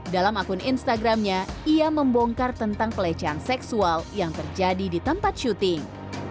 dalam akun instagramnya ia membongkar tentang pelecehan seksual yang terjadi di tempat syuting